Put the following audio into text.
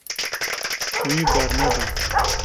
Wî berneda.